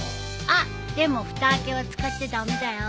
あっでもふた開けは使っちゃ駄目だよ。